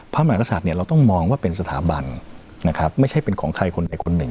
พระมหากษัตริย์เนี่ยเราต้องมองว่าเป็นสถาบันนะครับไม่ใช่เป็นของใครคนใดคนหนึ่ง